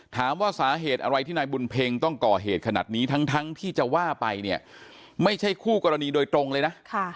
ถามว่าสาเหตุอะไรที่นายบุญเพ็งต้องก่อเหตุขนาดนี้ทั้งที่จะว่าไปเนี่ยไม่ใช่คู่กรณีโดยตรงเลยนะ